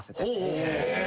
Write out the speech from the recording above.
へえ。